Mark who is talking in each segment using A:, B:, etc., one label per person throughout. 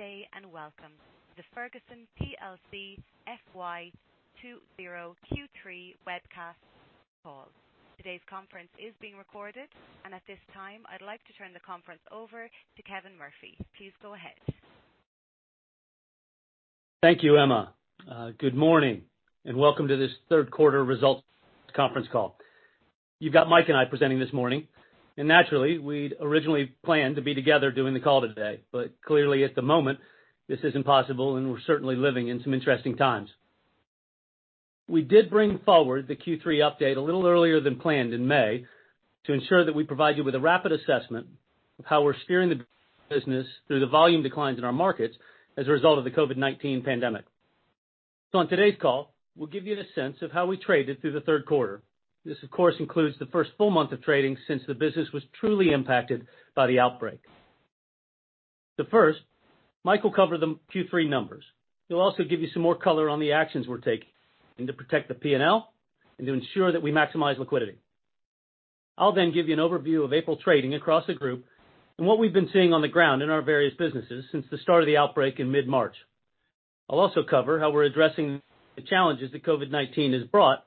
A: Good day. Welcome to the Ferguson plc FY 2020 Q3 webcast call. Today's conference is being recorded. At this time, I'd like to turn the conference over to Kevin Murphy. Please go ahead.
B: Thank you, Emma. Good morning. Welcome to this third quarter results conference call. You've got Mike and I presenting this morning. Naturally, we'd originally planned to be together doing the call today. Clearly, at the moment, this isn't possible. We're certainly living in some interesting times. We did bring forward the Q3 update a little earlier than planned in May to ensure that we provide you with a rapid assessment of how we're steering the business through the volume declines in our markets as a result of the COVID-19 pandemic. On today's call, we'll give you the sense of how we traded through the third quarter. This, of course, includes the first full month of trading since the business was truly impacted by the outbreak. First, Mike will cover the Q3 numbers. He'll also give you some more color on the actions we're taking to protect the P&L and to ensure that we maximize liquidity. I'll give you an overview of April trading across the group and what we've been seeing on the ground in our various businesses since the start of the outbreak in mid-March. I'll also cover how we're addressing the challenges that COVID-19 has brought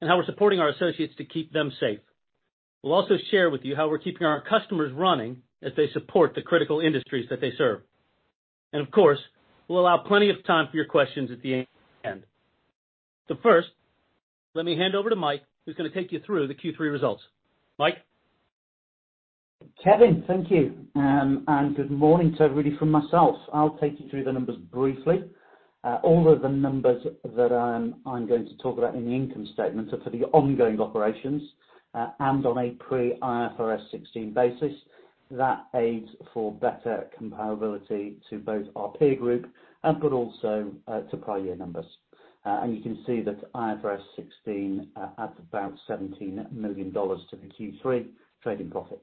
B: and how we're supporting our associates to keep them safe. We'll also share with you how we're keeping our customers running as they support the critical industries that they serve. Of course, we'll allow plenty of time for your questions at the end. First, let me hand over to Mike, who's going to take you through the Q3 results. Mike?
C: Kevin, thank you. Good morning to everybody from myself. I'll take you through the numbers briefly. All of the numbers that I'm going to talk about in the income statement are for the ongoing operations, and on a pre-IFRS 16 basis that aids for better comparability to both our peer group but also to prior year numbers. You can see that IFRS 16 adds about $17 million to the Q3 trading profit.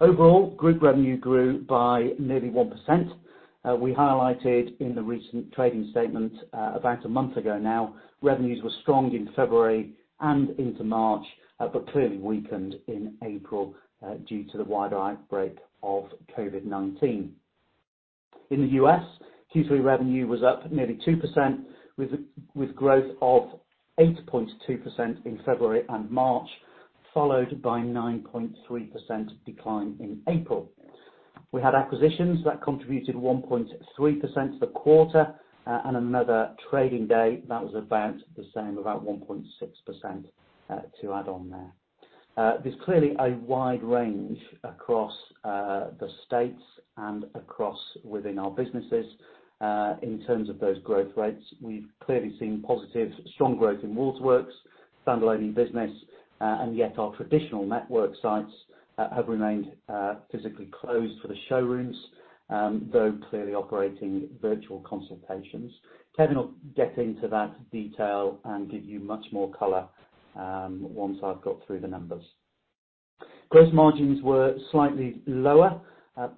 C: Overall, group revenue grew by nearly 1%. We highlighted in the recent trading statement about a month ago now, revenues were strong in February and into March, but clearly weakened in April due to the wide outbreak of COVID-19. In the U.S., Q3 revenue was up nearly 2% with growth of 8.2% in February and March, followed by 9.3% decline in April. We had acquisitions that contributed 1.3% to the quarter. Another trading day that was about the same, about 1.6% to add on there. There's clearly a wide range across the States and across within our businesses. In terms of those growth rates, we've clearly seen positive, strong growth in Waterworks, Standalone eBusiness, and yet our traditional network sites have remained physically closed for the showrooms, though clearly operating virtual consultations. Kevin will get into that detail and give you much more color once I've got through the numbers. Gross margins were slightly lower,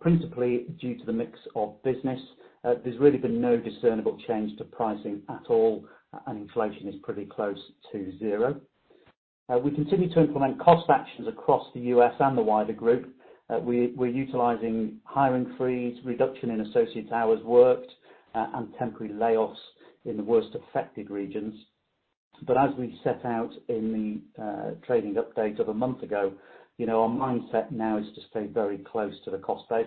C: principally due to the mix of business. There's really been no discernible change to pricing at all, and inflation is pretty close to zero. We continue to implement cost actions across the U.S. and the wider group. We're utilizing hiring freeze, reduction in associates hours worked, and temporary layoffs in the worst affected regions. As we set out in the trading update of a month ago, our mindset now is to stay very close to the cost base,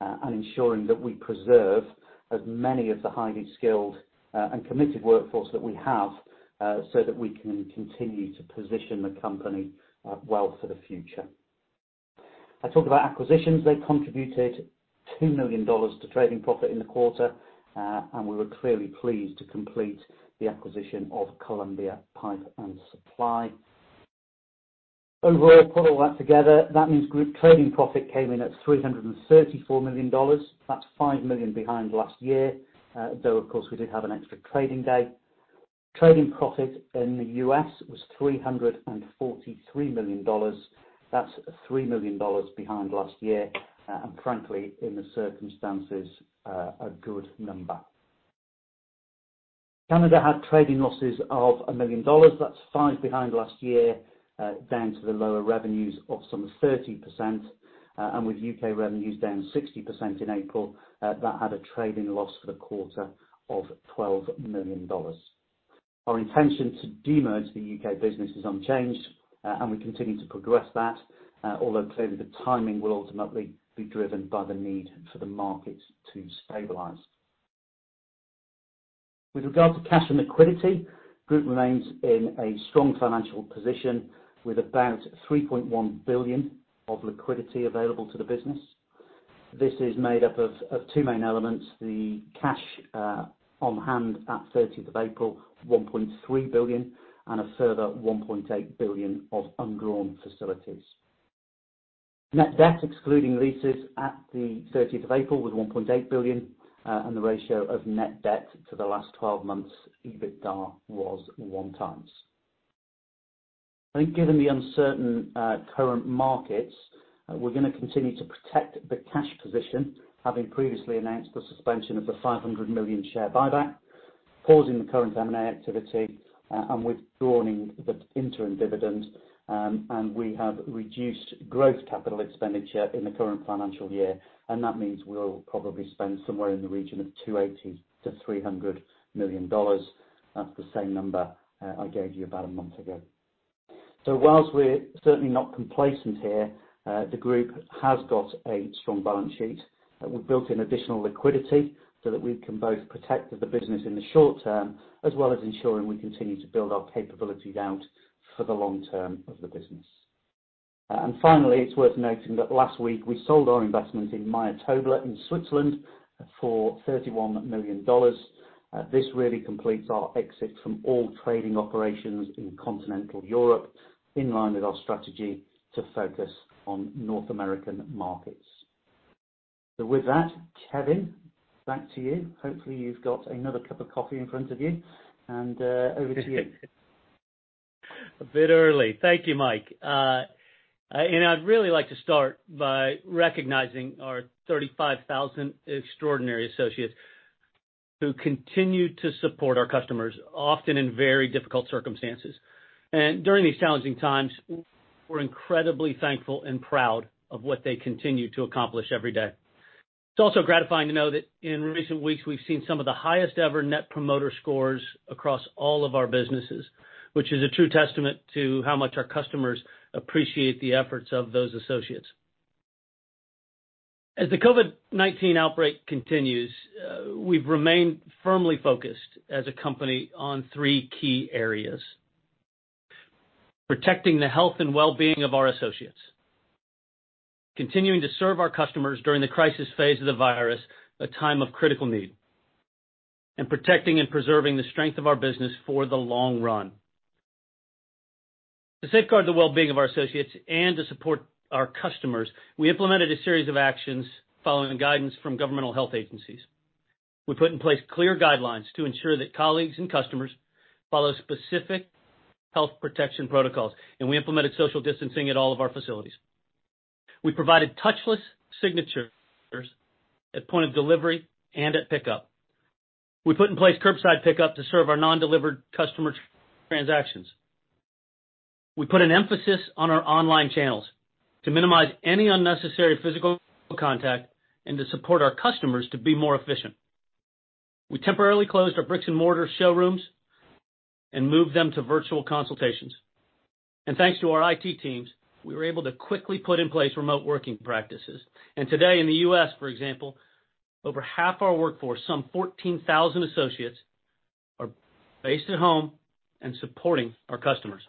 C: and ensuring that we preserve as many of the highly skilled and committed workforce that we have, so that we can continue to position the company well for the future. I talked about acquisitions, they contributed $2 million to trading profit in the quarter, and we were clearly pleased to complete the acquisition of Columbia Pipe & Supply. Overall, put all that together, that means group trading profit came in at $334 million. That's $5 million behind last year. Of course, we did have an extra trading day. Trading profit in the U.S. was $343 million. That's $3 million behind last year, and frankly, in the circumstances, a good number. Canada had trading losses of a million dollars. That's $5 million behind last year, down to the lower revenues of some 30%, and with U.K. revenues down 60% in April, that had a trading loss for the quarter of $12 million. Our intention to de-merge the U.K. business is unchanged, and we continue to progress that, although clearly the timing will ultimately be driven by the need for the market to stabilize. With regard to cash and liquidity, group remains in a strong financial position with about $3.1 billion of liquidity available to the business. This is made up of two main elements, the cash on hand at 30th of April, $1.3 billion, and a further $1.8 billion of undrawn facilities. Net debt, excluding leases at the 30th of April, was $1.8 billion, and the ratio of net debt to the last 12 months EBITDA was 1x. I think given the uncertain current markets, we're going to continue to protect the cash position, having previously announced the suspension of the $500 million share buyback, pausing the current M&A activity, and withdrawing the interim dividend. We have reduced growth capital expenditure in the current financial year, and that means we'll probably spend somewhere in the region of $280 million-$300 million. That's the same number I gave you about a month ago. Whilst we're certainly not complacent here, the group has got a strong balance sheet. We've built in additional liquidity so that we can both protect the business in the short term, as well as ensuring we continue to build our capabilities out for the long term of the business. Finally, it's worth noting that last week we sold our investment in Meier Tobler in Switzerland for $31 million. This really completes our exit from all trading operations in continental Europe, in line with our strategy to focus on North American markets. With that, Kevin, back to you. Hopefully, you've got another cup of coffee in front of you, and over to you.
B: A bit early. Thank you, Mike. I'd really like to start by recognizing our 35,000 extraordinary associates who continue to support our customers, often in very difficult circumstances. During these challenging times, we're incredibly thankful and proud of what they continue to accomplish every day. It's also gratifying to know that in recent weeks, we've seen some of the highest ever net promoter scores across all of our businesses, which is a true testament to how much our customers appreciate the efforts of those associates. As the COVID-19 outbreak continues, we've remained firmly focused as a company on three key areas. Protecting the health and wellbeing of our associates, continuing to serve our customers during the crisis phase of the virus, a time of critical need, and protecting and preserving the strength of our business for the long run. To safeguard the wellbeing of our associates and to support our customers, we implemented a series of actions following the guidance from governmental health agencies. We put in place clear guidelines to ensure that colleagues and customers follow specific health protection protocols, and we implemented social distancing at all of our facilities. We provided touchless signatures at point of delivery and at pickup. We put in place curbside pickup to serve our non-delivered customer transactions. We put an emphasis on our online channels to minimize any unnecessary physical contact and to support our customers to be more efficient. We temporarily closed our bricks and mortar showrooms and moved them to virtual consultations. Thanks to our IT teams, we were able to quickly put in place remote working practices. Today in the U.S., for example, over half our workforce, some 14,000 associates, are based at home and supporting our customers.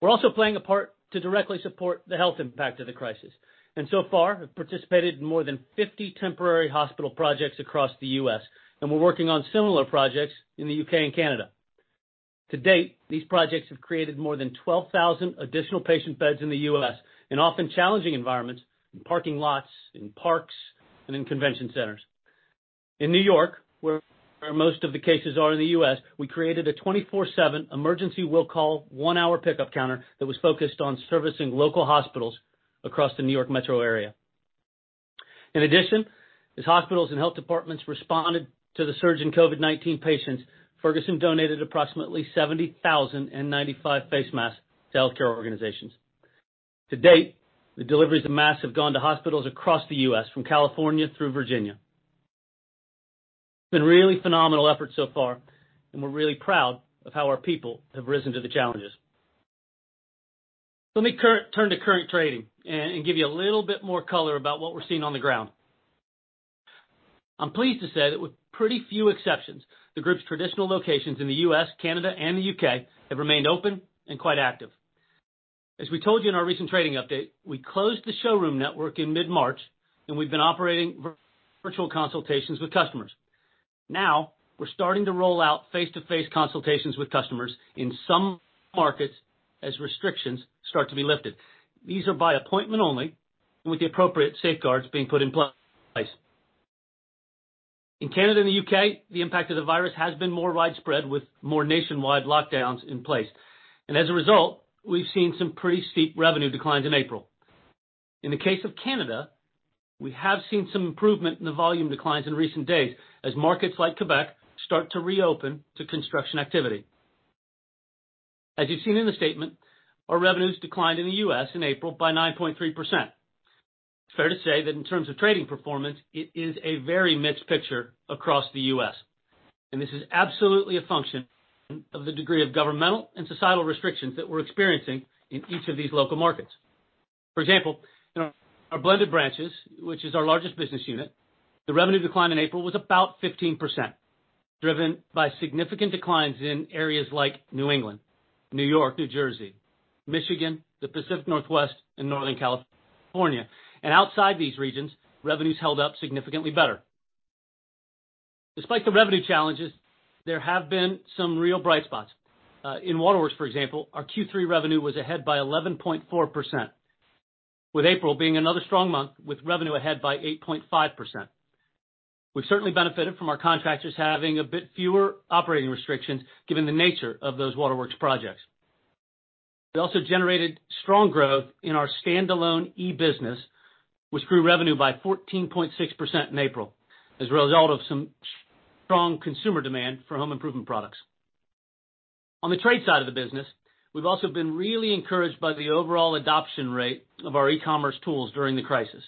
B: We're also playing a part to directly support the health impact of the crisis, and so far have participated in more than 50 temporary hospital projects across the U.S., and we're working on similar projects in the U.K. and Canada. To date, these projects have created more than 12,000 additional patient beds in the U.S., in often challenging environments, in parking lots, in parks, and in convention centers. In New York, where most of the cases are in the U.S., we created a 24/7 emergency will call, one-hour pickup counter that was focused on servicing local hospitals across the New York metro area. In addition, as hospitals and health departments responded to the surge in COVID-19 patients, Ferguson donated approximately 70,000 N95 face masks to healthcare organizations. To date, the deliveries of masks have gone to hospitals across the U.S. from California through Virginia. It's been a really phenomenal effort so far, and we're really proud of how our people have risen to the challenges. Let me turn to current trading and give you a little bit more color about what we're seeing on the ground. I'm pleased to say that with pretty few exceptions, the group's traditional locations in the U.S., Canada, and the U.K. have remained open and quite active. As we told you in our recent trading update, we closed the showroom network in mid-March, and we've been operating virtual consultations with customers. Now we're starting to roll out face-to-face consultations with customers in some markets as restrictions start to be lifted. These are by appointment only and with the appropriate safeguards being put in place. In Canada and the U.K., the impact of the virus has been more widespread, with more nationwide lockdowns in place. As a result, we've seen some pretty steep revenue declines in April. In the case of Canada, we have seen some improvement in the volume declines in recent days as markets like Quebec start to reopen to construction activity. As you've seen in the statement, our revenues declined in the U.S. in April by 9.3%. It's fair to say that in terms of trading performance, it is a very mixed picture across the U.S., and this is absolutely a function of the degree of governmental and societal restrictions that we're experiencing in each of these local markets. For example, in our blended branches, which is our largest business unit, the revenue decline in April was about 15%, driven by significant declines in areas like New England, New York, New Jersey, Michigan, the Pacific Northwest, and Northern California. Outside these regions, revenues held up significantly better. Despite the revenue challenges, there have been some real bright spots. In Waterworks, for example, our Q3 revenue was ahead by 11.4%, with April being another strong month with revenue ahead by 8.5%. We've certainly benefited from our contractors having a bit fewer operating restrictions, given the nature of those Waterworks projects. We also generated strong growth in our Standalone eBusiness, which grew revenue by 14.6% in April as a result of some strong consumer demand for home improvement products. On the trade side of the business, we've also been really encouraged by the overall adoption rate of our e-commerce tools during the crisis.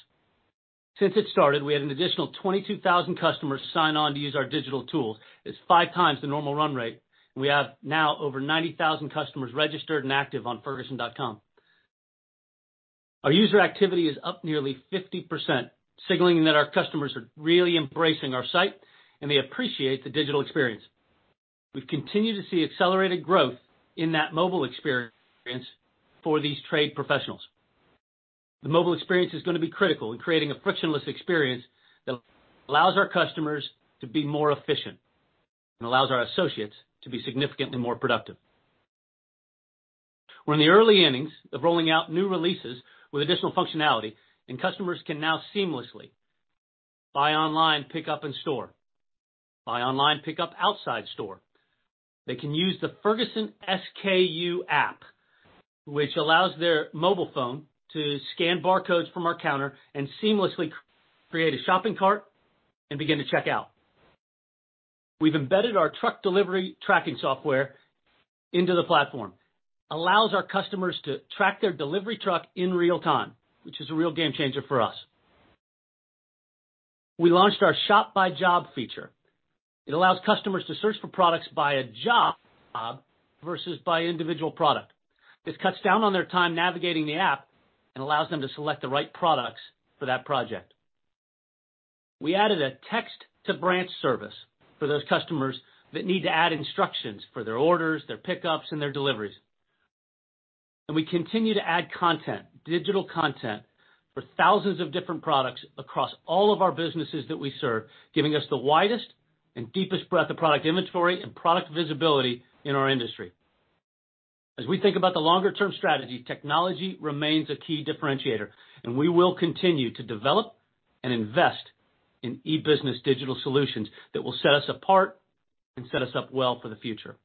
B: Since it started, we had an additional 22,000 customers sign on to use our digital tools. It's five times the normal run rate. We have now over 90,000 customers registered and active on ferguson.com. Our user activity is up nearly 50%, signaling that our customers are really embracing our site, and they appreciate the digital experience. We've continued to see accelerated growth in that mobile experience for these trade professionals. The mobile experience is going to be critical in creating a frictionless experience that allows our customers to be more efficient and allows our associates to be significantly more productive. We're in the early innings of rolling out new releases with additional functionality. Customers can now seamlessly buy online, pick up in store, buy online, pick up outside store. They can use the Ferguson SKU app, which allows their mobile phone to scan barcodes from our counter and seamlessly create a shopping cart and begin to check out. We've embedded our truck delivery tracking software into the platform. It allows our customers to track their delivery truck in real time, which is a real game changer for us. We launched our Shop By Job feature. It allows customers to search for products by a job versus by individual product. This cuts down on their time navigating the app and allows them to select the right products for that project. We added a text to branch service for those customers that need to add instructions for their orders, their pickups, and their deliveries. We continue to add content, digital content, for thousands of different products across all of our businesses that we serve, giving us the widest and deepest breadth of product inventory and product visibility in our industry. As we think about the longer term strategy, technology remains a key differentiator, and we will continue to develop and invest in e-business digital solutions that will set us apart and set us up well for the future.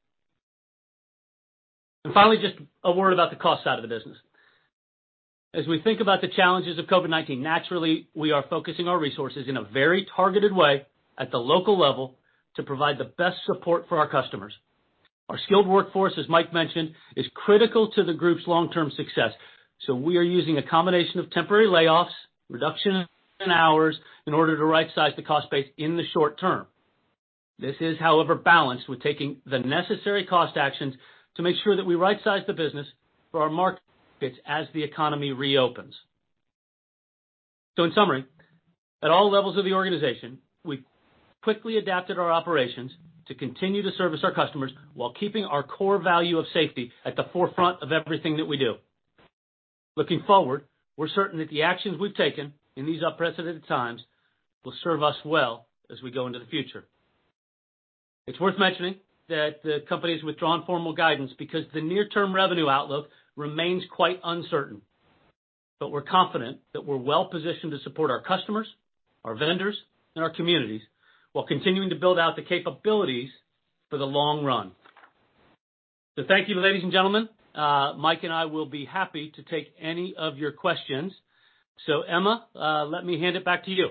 B: Finally, just a word about the cost side of the business. As we think about the challenges of COVID-19, naturally, we are focusing our resources in a very targeted way at the local level to provide the best support for our customers. Our skilled workforce, as Mike mentioned, is critical to the group's long-term success, so we are using a combination of temporary layoffs, reduction in hours in order to right-size the cost base in the short term. This is, however, balanced with taking the necessary cost actions to make sure that we right-size the business for our market fits as the economy reopens. In summary, at all levels of the organization, we quickly adapted our operations to continue to service our customers while keeping our core value of safety at the forefront of everything that we do. Looking forward, we're certain that the actions we've taken in these unprecedented times will serve us well as we go into the future. It's worth mentioning that the company's withdrawn formal guidance because the near-term revenue outlook remains quite uncertain. But we're confident that we're well-positioned to support our customers, our vendors, and our communities while continuing to build out the capabilities for the long run. So thank you, ladies and gentlemen. Mike and I will be happy to take any of your questions. Emma, let me hand it back to you.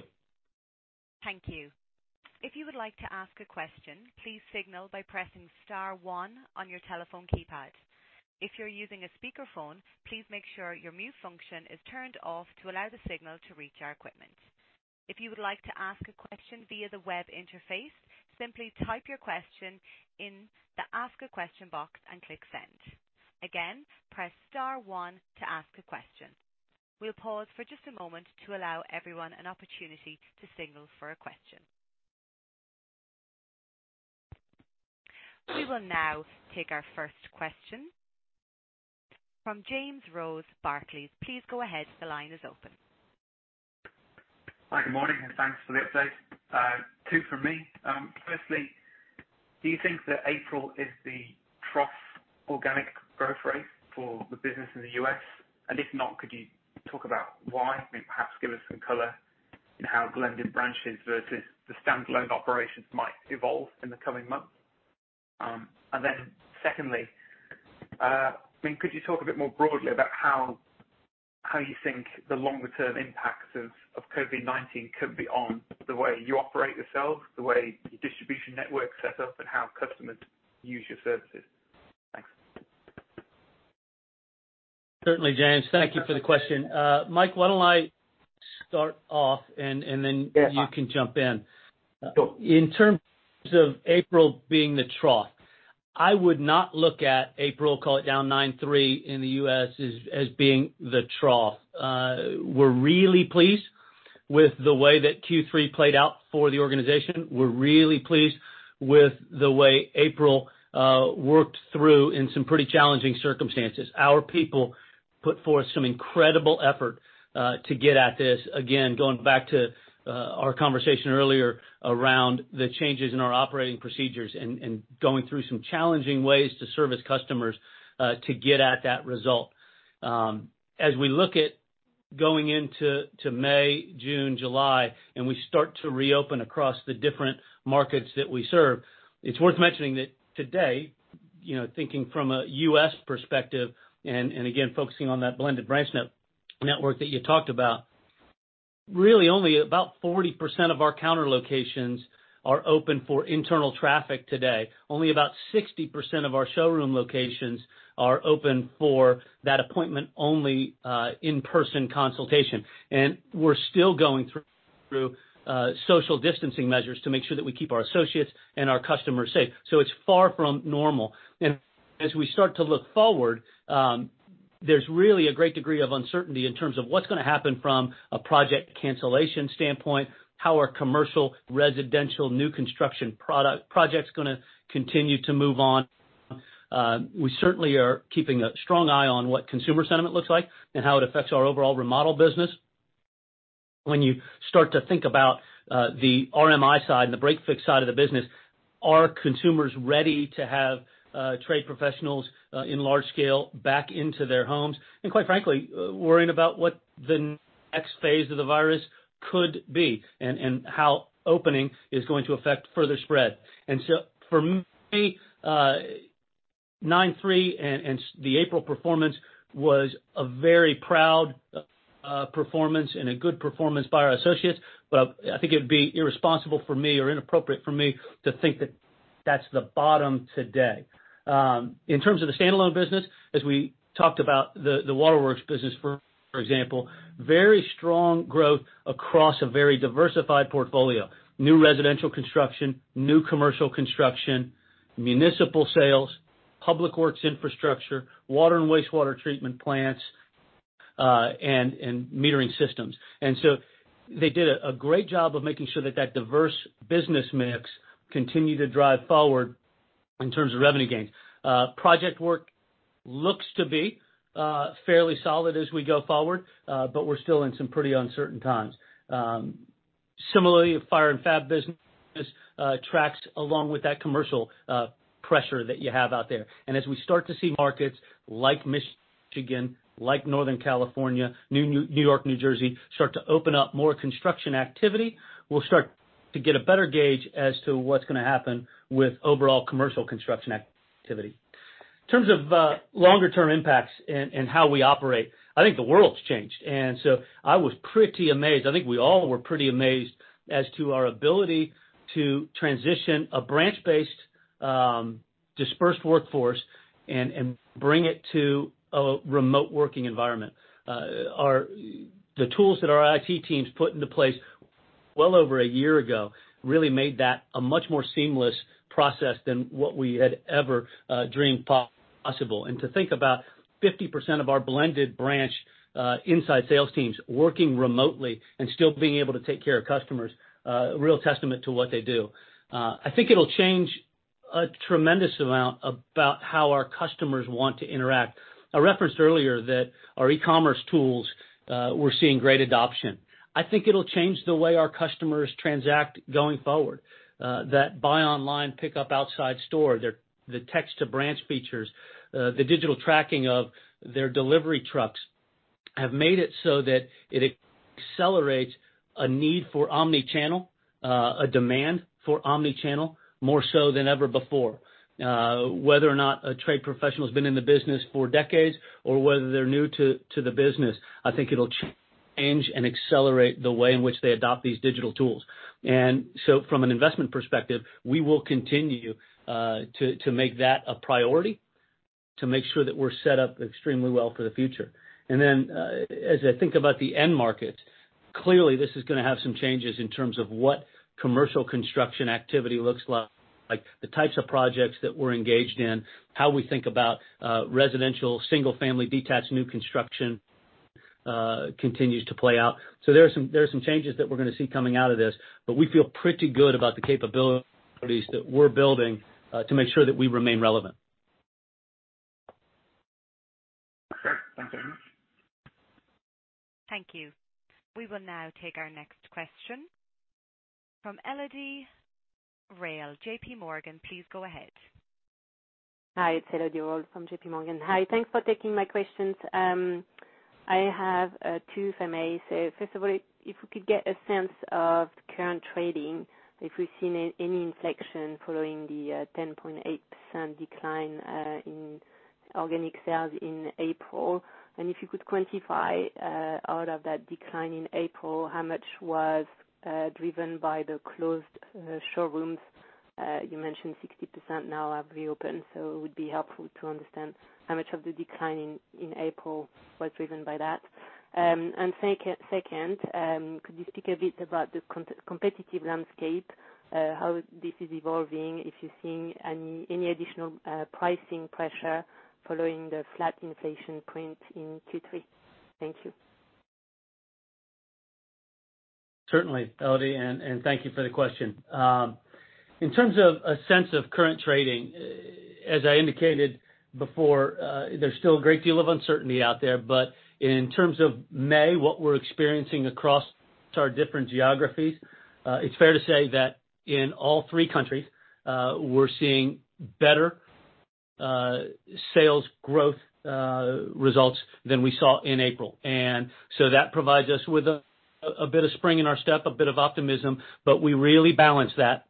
A: Thank you. If you would like to ask a question, please signal by pressing star one on your telephone keypad. If you're using a speakerphone, please make sure your mute function is turned off to allow the signal to reach our equipment. If you would like to ask a question via the web interface, simply type your question in the Ask a Question box and click Send. Again, press star one to ask a question. We'll pause for just a moment to allow everyone an opportunity to signal for a question. We will now take our first question from James Rose, Barclays. Please go ahead. The line is open.
D: Hi, good morning, and thanks for the update. Two from me. Firstly, do you think that April is the trough organic growth rate for the business in the U.S.? If not, could you talk about why? Maybe perhaps give us some color in how blended branches versus the standalone operations might evolve in the coming months. Secondly, could you talk a bit more broadly about how you think the longer term impacts of COVID-19 could be on the way you operate yourselves, the way your distribution network setup, and how customers use your services? Thanks.
B: Certainly, James. Thank you for the question. Mike, why don't I start off, and then Yeah, you can jump in.
C: Sure.
B: In terms of April being the trough, I would not look at April, call it down 9.3% in the U.S. as being the trough. We're really pleased with the way that Q3 played out for the organization. We're really pleased with the way April worked through in some pretty challenging circumstances. Our people put forth some incredible effort to get at this, again, going back to our conversation earlier around the changes in our operating procedures and going through some challenging ways to service customers, to get at that result. As we look at going into May, June, July, and we start to reopen across the different markets that we serve. It's worth mentioning that today, thinking from a U.S. perspective, and again, focusing on that blended branch network that you talked about, really only about 40% of our counter locations are open for internal traffic today. Only about 60% of our showroom locations are open for that appointment-only, in-person consultation. We're still going through social distancing measures to make sure that we keep our associates and our customers safe. It's far from normal. As we start to look forward, there's really a great degree of uncertainty in terms of what's going to happen from a project cancellation standpoint, how our commercial residential new construction project's going to continue to move on. We certainly are keeping a strong eye on what consumer sentiment looks like and how it affects our overall remodel business. When you start to think about the RMI side and the break-fix side of the business, are consumers ready to have trade professionals in large scale back into their homes? Quite frankly, worrying about what the next phase of the virus could be and how opening is going to affect further spread. For me, 9.3% and the April performance was a very proud performance and a good performance by our associates. I think it would be irresponsible for me or inappropriate for me to think that that's the bottom today. In terms of the standalone business, as we talked about the Waterworks business, for example, very strong growth across a very diversified portfolio. New residential construction, new commercial construction, municipal sales, public works infrastructure, water and wastewater treatment plants, and metering systems. They did a great job of making sure that that diverse business mix continued to drive forward in terms of revenue gains. Project work looks to be fairly solid as we go forward, but we're still in some pretty uncertain times. Similarly, Fire & Fab business tracks along with that commercial pressure that you have out there. As we start to see markets like Michigan, like Northern California, New York, New Jersey, start to open up more construction activity, we'll start to get a better gauge as to what's going to happen with overall commercial construction activity. In terms of longer-term impacts and how we operate, I think the world's changed. I was pretty amazed. I think we all were pretty amazed as to our ability to transition a branch-based dispersed workforce and bring it to a remote working environment. The tools that our IT teams put into place well over a year ago really made that a much more seamless process than what we had ever dreamed possible. To think about 50% of our blended branch inside sales teams working remotely and still being able to take care of customers, a real testament to what they do. I think it'll change a tremendous amount about how our customers want to interact. I referenced earlier that our e-commerce tools, we're seeing great adoption. I think it'll change the way our customers transact going forward. That buy online, pick up outside store, the text-to-branch features, the digital tracking of their delivery trucks have made it so that it accelerates a need for omni-channel, a demand for omni-channel more so than ever before. Whether or not a trade professional has been in the business for decades or whether they're new to the business, I think it'll change and accelerate the way in which they adopt these digital tools. From an investment perspective, we will continue to make that a priority, to make sure that we're set up extremely well for the future. As I think about the end market, clearly this is going to have some changes in terms of what commercial construction activity looks like, the types of projects that we're engaged in, how we think about residential, single-family, detached new construction continues to play out. There are some changes that we're going to see coming out of this, but we feel pretty good about the capabilities that we're building to make sure that we remain relevant.
D: Okay. Thanks very much.
A: Thank you. We will now take our next question from Elodie Rall, JPMorgan. Please go ahead.
E: Hi, it's Elodie Rall from JPMorgan. Hi, thanks for taking my questions. I have two, if I may. First of all, if we could get a sense of the current trading, if we've seen any inflection following the 10.8% decline in organic sales in April. If you could quantify out of that decline in April, how much was driven by the closed showrooms. You mentioned 60% now have reopened, so it would be helpful to understand how much of the decline in April was driven by that. Second, could you speak a bit about the competitive landscape, how this is evolving, if you're seeing any additional pricing pressure following the flat inflation print in Q3? Thank you.
B: Certainly, Elodie, and thank you for the question. In terms of a sense of current trading, as I indicated before, there's still a great deal of uncertainty out there. In terms of May, what we're experiencing across our different geographies, it's fair to say that in all three countries, we're seeing better sales growth results than we saw in April. That provides us with a bit of spring in our step, a bit of optimism, but we really balance that,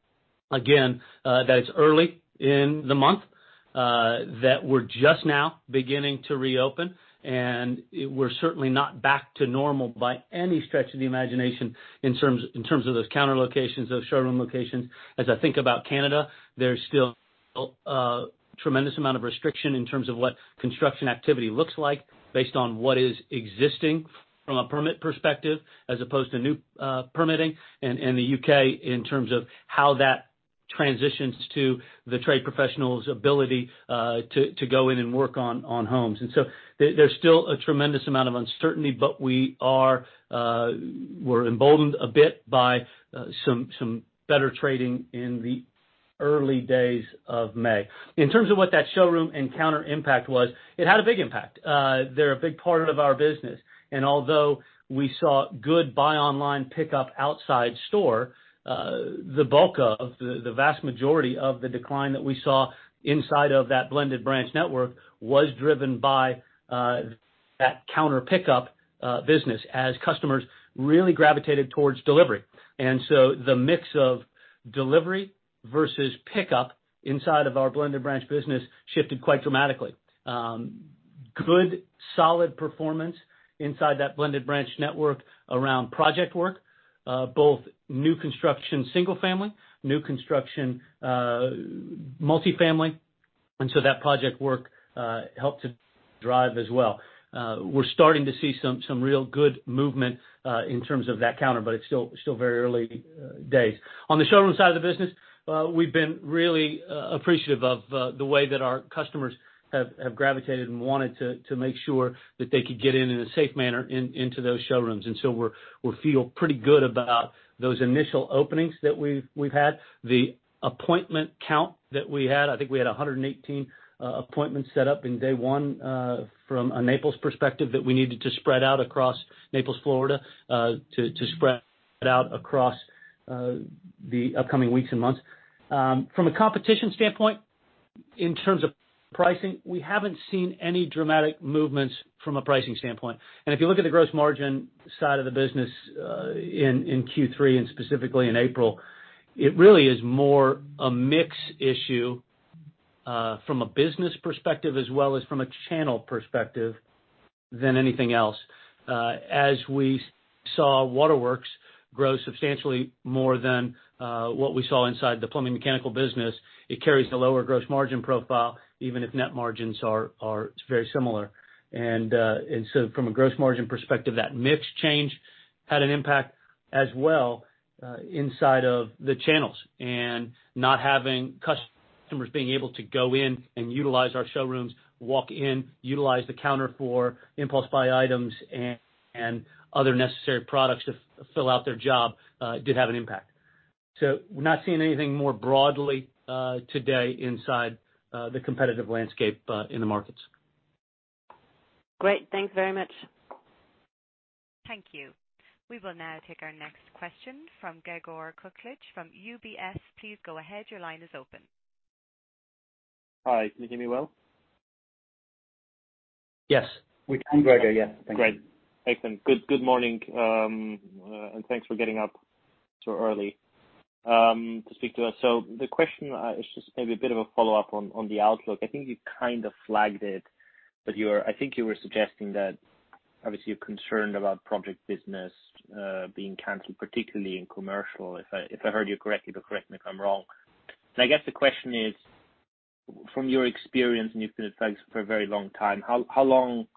B: again, that it's early in the month, that we're just now beginning to reopen, and we're certainly not back to normal by any stretch of the imagination in terms of those counter locations, those showroom locations. As I think about Canada, there's still a tremendous amount of restriction in terms of what construction activity looks like based on what is existing from a permit perspective as opposed to new permitting and in the U.K. in terms of how that transitions to the trade professional's ability to go in and work on homes. There's still a tremendous amount of uncertainty, but we're emboldened a bit by some better trading in the early days of May. In terms of what that showroom and counter impact was, it had a big impact. They're a big part of our business, and although we saw good buy online pickup outside store, the vast majority of the decline that we saw inside of that blended branch network was driven by that counter pickup business as customers really gravitated towards delivery. The mix of delivery versus pickup inside of our blended branch business shifted quite dramatically. Good, solid performance inside that blended branch network around project work, both new construction single family, new construction multifamily, and so that project work helped to drive as well. We're starting to see some real good movement in terms of that counter, but it's still very early days. On the showroom side of the business, we've been really appreciative of the way that our customers have gravitated and wanted to make sure that they could get in in a safe manner into those showrooms. We feel pretty good about those initial openings that we've had. The appointment count that we had, I think we had 118 appointments set up in day one, from a Naples perspective, that we needed to spread out across Naples, Florida, to spread out across the upcoming weeks and months. From a competition standpoint, in terms of pricing, we haven't seen any dramatic movements from a pricing standpoint. If you look at the gross margin side of the business in Q3, and specifically in April, it really is more a mix issue, from a business perspective, as well as from a channel perspective than anything else. As we saw waterworks grow substantially more than what we saw inside the plumbing mechanical business, it carries a lower gross margin profile, even if net margins are very similar. And from a gross margin perspective, that mix change had an impact as well inside of the channels. Not having customers being able to go in and utilize our showrooms, walk in, utilize the counter for impulse buy items and other necessary products to fill out their job, did have an impact. We're not seeing anything more broadly today inside the competitive landscape in the markets.
E: Great. Thanks very much.
A: Thank you. We will now take our next question from Gregor Kuglitsch from UBS. Please go ahead. Your line is open.
F: Hi, can you hear me well?
B: Yes. We can, Gregor. Yeah. Thank you.
F: Great. Excellent. Good morning, and thanks for getting up so early to speak to us. The question is just maybe a bit of a follow-up on the outlook. I think you kind of flagged it, but I think you were suggesting that obviously you're concerned about project business being canceled, particularly in commercial, if I heard you correctly, but correct me if I'm wrong. I guess the question is, from your experience, and you've been at Ferguson for a very long time, how long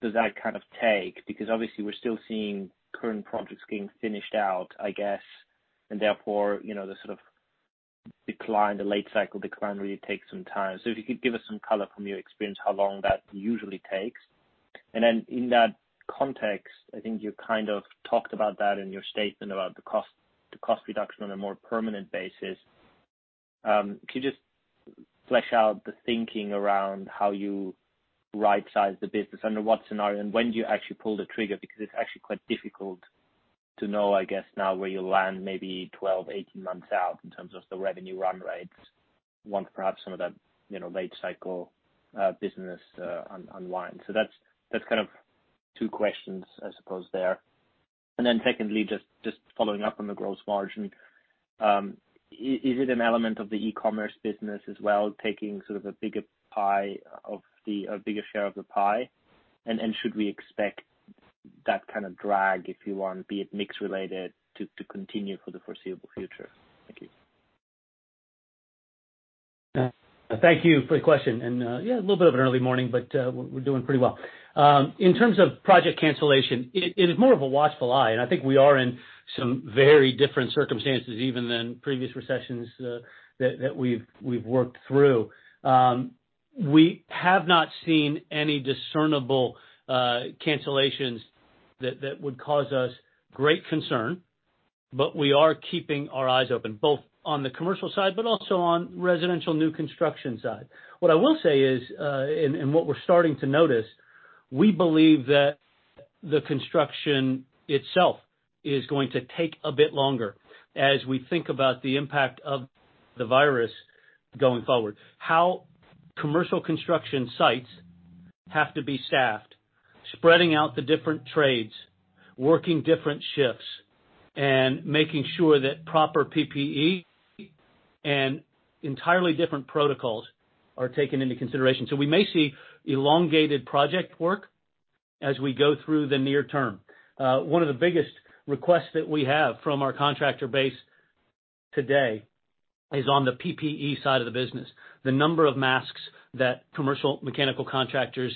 F: does that kind of take? Because obviously we're still seeing current projects getting finished out, I guess, and therefore, the sort of decline, the late cycle decline really takes some time. If you could give us some color from your experience, how long that usually takes. And in that context, I think you kind of talked about that in your statement about the cost reduction on a more permanent basis. Can you just flesh out the thinking around how you right-size the business? Under what scenario and when do you actually pull the trigger? Because it's actually quite difficult to know, I guess now, where you'll land maybe 12, 18 months out in terms of the revenue run rates once perhaps some of that late cycle business unwinds. So that's kind of two questions, I suppose, there. Then secondly, just following up on the gross margin, is it an element of the e-commerce business as well, taking sort of a bigger share of the pie? should we expect that kind of drag, if you want, be it mix-related, to continue for the foreseeable future? Thank you.
B: Thank you for the question. Yeah, a little bit of an early morning, but we're doing pretty well. In terms of project cancellation, it is more of a watchful eye, and I think we are in some very different circumstances even than previous recessions that we've worked through. We have not seen any discernible cancellations that would cause us great concern, but we are keeping our eyes open, both on the commercial side, but also on residential new construction side. What I will say is, and what we're starting to notice, we believe that the construction itself is going to take a bit longer as we think about the impact of the virus going forward. How commercial construction sites have to be staffed, spreading out the different trades, working different shifts, and making sure that proper PPE and entirely different protocols are taken into consideration. We may see elongated project work as we go through the near term. One of the biggest requests that we have from our contractor base today is on the PPE side of the business. The number of masks that commercial mechanical contractors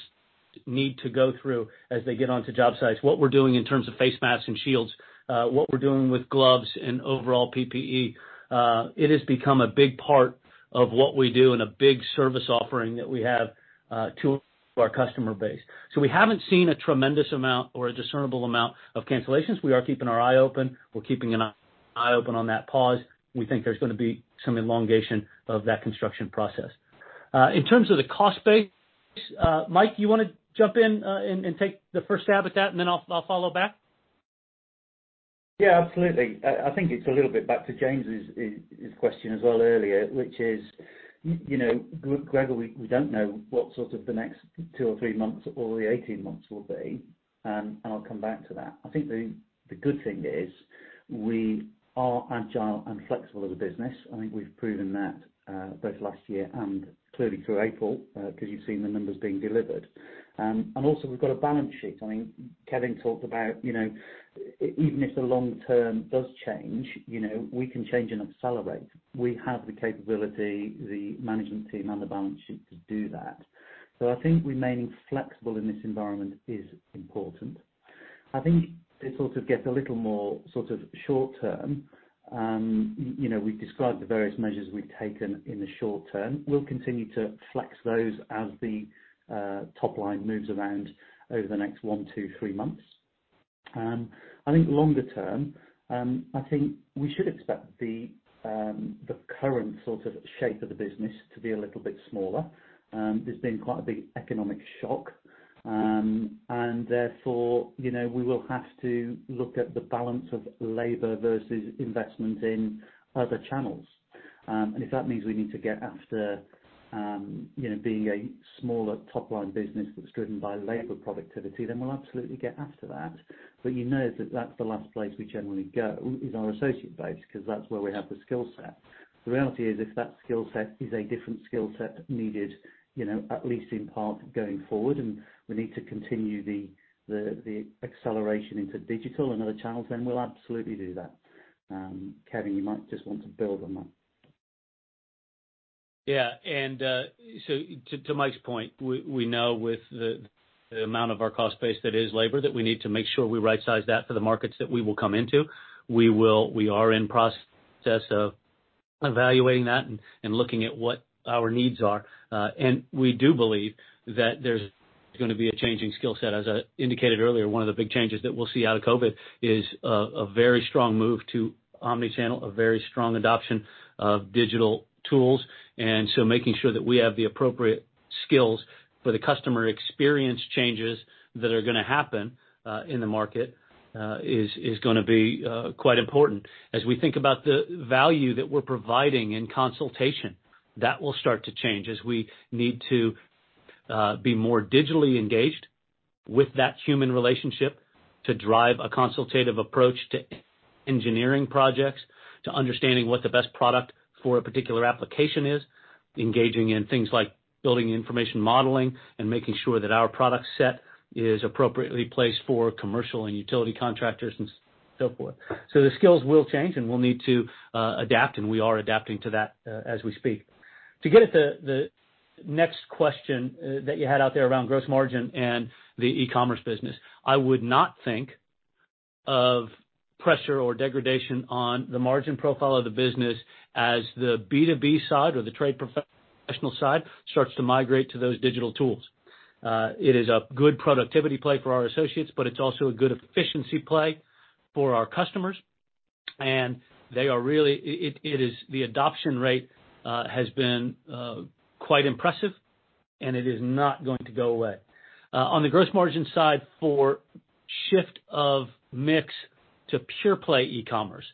B: need to go through as they get onto job sites, what we're doing in terms of face masks and shields, what we're doing with gloves and overall PPE, it has become a big part of what we do and a big service offering that we have to our customer base. We haven't seen a tremendous amount or a discernible amount of cancellations. We're keeping an eye open on that pause. We think there's going to be some elongation of that construction process. In terms of the cost base, Mike, you want to jump in and take the first stab at that, and then I'll follow back?
C: Yeah, absolutely. I think it's a little bit back to James' question as well earlier, which is, Gregor, we don't know what the next two or three months or the 18 months will be, and I'll come back to that. I think the good thing is we are agile and flexible as a business. I think we've proven that both last year and clearly through April, because you've seen the numbers being delivered. Also, we've got a balance sheet. Kevin talked about even if the long term does change, we can change and accelerate. We have the capability, the management team, and the balance sheet to do that. I think remaining flexible in this environment is important. I think this also gets a little more short term. We've described the various measures we've taken in the short term. We'll continue to flex those as the top line moves around over the next one to three months. I think longer term, I think we should expect the current shape of the business to be a little bit smaller. There's been quite a big economic shock, and therefore, we will have to look at the balance of labor versus investment in other channels. If that means we need to get after being a smaller top-line business that's driven by labor productivity, then we'll absolutely get after that. You know that's the last place we generally go is our associate base, because that's where we have the skill set. The reality is if that skill set is a different skill set needed, at least in part going forward, and we need to continue the acceleration into digital and other channels, then we'll absolutely do that. Kevin, you might just want to build on that.
B: Yeah. And to Mike's point, we know with the amount of our cost base that is labor, that we need to make sure we rightsize that for the markets that we will come into. We are in process of evaluating that and looking at what our needs are. And we do believe that there's going to be a changing skill set. As I indicated earlier, one of the big changes that we'll see out of COVID is a very strong move to omni-channel, a very strong adoption of digital tools. So making sure that we have the appropriate skills for the customer experience changes that are going to happen in the market is going to be quite important. As we think about the value that we're providing in consultation, that will start to change as we need to be more digitally engaged with that human relationship to drive a consultative approach to engineering projects, to understanding what the best product for a particular application is, engaging in things like building information modeling, and making sure that our product set is appropriately placed for commercial and utility contractors and so forth. The skills will change, and we'll need to adapt, and we are adapting to that as we speak. To get at the next question that you had out there around gross margin and the e-commerce business, I would not think of pressure or degradation on the margin profile of the business as the B2B side or the trade professional side starts to migrate to those digital tools. It is a good productivity play for our associates, but it's also a good efficiency play for our customers. The adoption rate has been quite impressive, and it is not going to go away. On the gross margin side for shift of mix to pure-play e-commerce,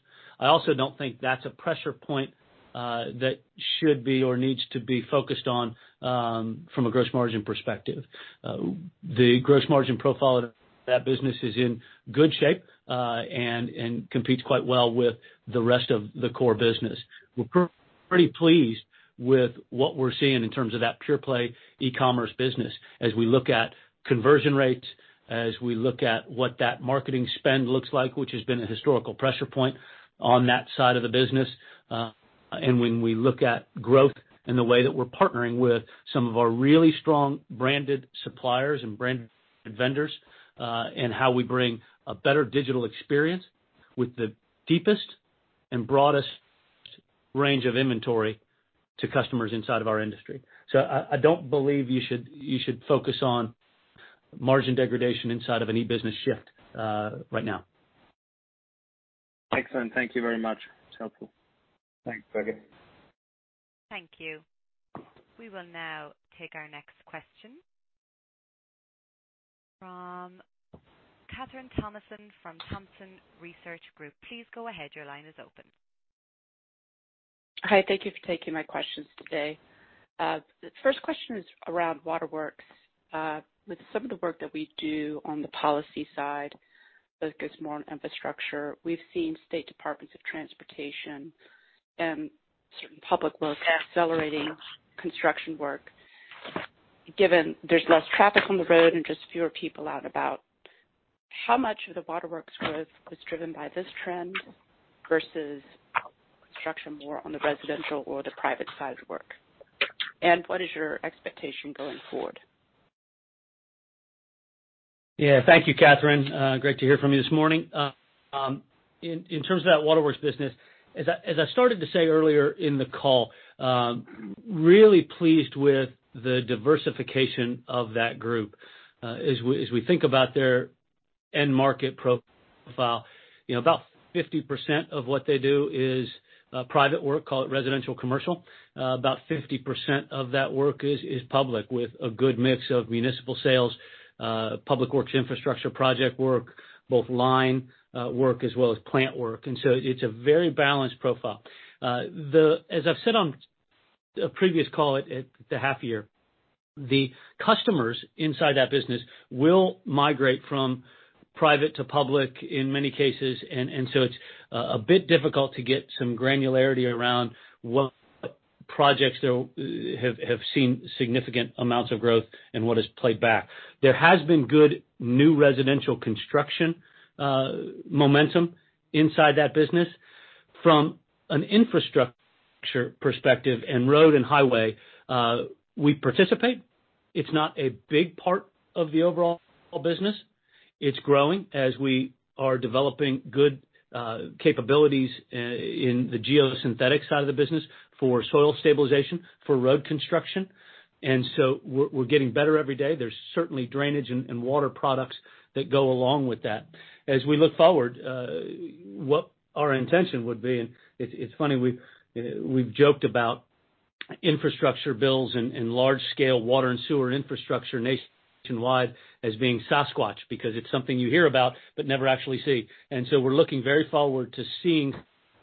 B: I also don't think that's a pressure point that should be or needs to be focused on from a gross margin perspective. The gross margin profile of that business is in good shape and competes quite well with the rest of the core business. We're pretty pleased with what we're seeing in terms of that pure-play e-commerce business as we look at conversion rates, as we look at what that marketing spend looks like, which has been a historical pressure point on that side of the business, and when we look at growth and the way that we're partnering with some of our really strong branded suppliers and branded vendors, and how we bring a better digital experience with the deepest and broadest range of inventory to customers inside of our industry. I don't believe you should focus on margin degradation inside of any business shift right now.
F: Excellent. Thank you very much. It's helpful.
B: Thanks, Gregor.
A: Thank you. We will now take our next question from Kathryn Thompson from Thompson Research Group. Please go ahead. Your line is open.
G: Hi. Thank you for taking my questions today. The first question is around Waterworks. With some of the work that we do on the policy side, focus more on infrastructure, we've seen state departments of transportation and certain public works accelerating construction work. Given there's less traffic on the road and just fewer people out about, how much of the Waterworks growth was driven by this trend versus construction more on the residential or the private side work? What is your expectation going forward?
B: Yeah. Thank you, Kathryn. Great to hear from you this morning. In terms of that Waterworks business, as I started to say earlier in the call, really pleased with the diversification of that group. As we think about their end market profile, about 50% of what they do is private work, call it residential commercial. About 50% of that work is public with a good mix of municipal sales, public works infrastructure project work, both line work as well as plant work. It's a very balanced profile. As I've said on a previous call at the half year, the customers inside that business will migrate from private to public in many cases, and so it's a bit difficult to get some granularity around what projects have seen significant amounts of growth and what has played back. There has been good new residential construction momentum inside that business. From an infrastructure perspective and road and highway, we participate. It's not a big part of the overall business. It's growing as we are developing good capabilities in the geosynthetics side of the business for soil stabilization, for road construction. We're getting better every day. There's certainly drainage and water products that go along with that. As we look forward, what our intention would be, and it's funny, we've joked about infrastructure bills and large-scale water and sewer infrastructure nationwide as being Sasquatch, because it's something you hear about but never actually see. We're looking very forward to seeing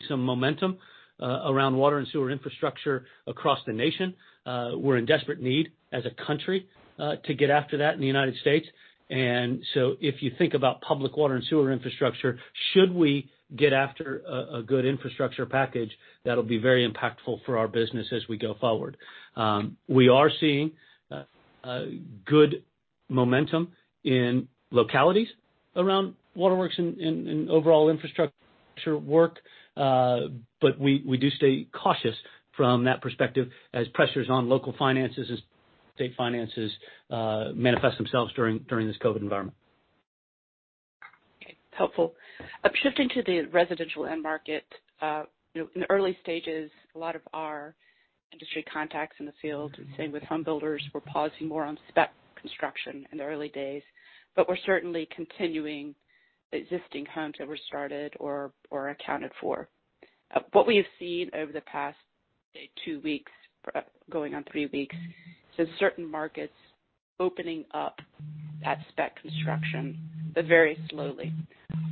B: some momentum around water and sewer infrastructure across the nation. We're in desperate need as a country to get after that in the United States. If you think about public water and sewer infrastructure, should we get after a good infrastructure package, that'll be very impactful for our business as we go forward. We are seeing good momentum in localities around Waterworks and overall infrastructure work. We do stay cautious from that perspective as pressures on local finances and state finances manifest themselves during this COVID-19 environment.
G: Okay. Helpful. Shifting to the residential end market. In the early stages, a lot of our industry contacts in the field, same with home builders, were pausing more on spec construction in the early days, but were certainly continuing the existing homes that were started or accounted for. What we have seen over the past, say, two weeks, going on three weeks, is certain markets opening up that spec construction, but very slowly.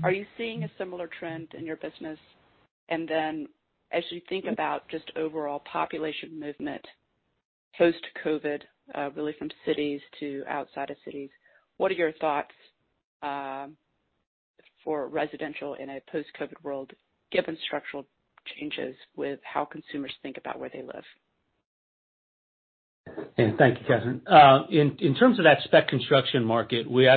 G: Are you seeing a similar trend in your business? As you think about just overall population movement post-COVID, really from cities to outside of cities, what are your thoughts for residential in a post-COVID world, given structural changes with how consumers think about where they live?
B: Thank you, Kathryn. In terms of that spec construction market, we